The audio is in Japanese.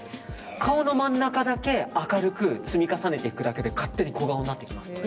顔の真ん中だけ明るく積み重ねていくだけで勝手に小顔になってきます。